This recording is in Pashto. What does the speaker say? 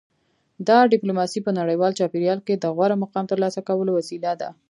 دا ډیپلوماسي په نړیوال چاپیریال کې د غوره مقام ترلاسه کولو وسیله ده